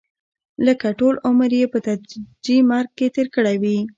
لکه ټول عمر یې په تدریجي مرګ کې تېر کړی وي.